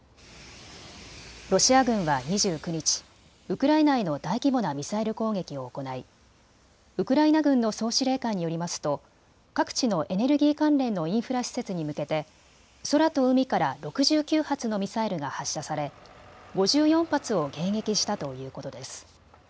ロシア軍は２９日、ウクライナへの大規模なミサイル攻撃を行いウクライナ軍の総司令官によりますと各地のエネルギー関連のインフラ施設に向けて空と海から６９発のミサイルが発射され５４発を迎撃したということです。